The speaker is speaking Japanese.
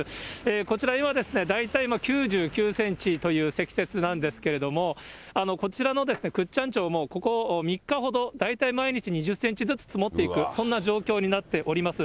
こちらには大体９９センチという積雪なんですけれども、こちらの倶知安町もここ３日ほど、大体毎日２０センチずつ積もっていく、そんな状況になっております。